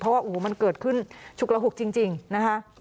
เพราะว่าโอ้โหมันเกิดขึ้นฉุกระหุกจริงจริงนะคะ